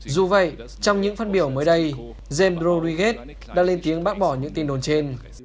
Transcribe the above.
dù vậy trong những phát biểu mới đây zembro righet đã lên tiếng bác bỏ những tin đồn trên